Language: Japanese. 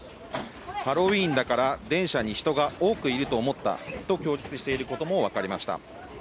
ハロウィーンだから電車に人が多くいると思ったと供述していることもわかりました。